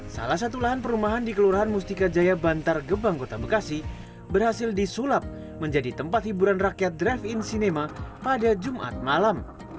salah satu lahan perumahan di kelurahan mustika jaya bantar gebang kota bekasi berhasil disulap menjadi tempat hiburan rakyat drive in cinema pada jumat malam